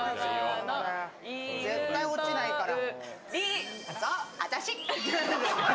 絶対落ちないから。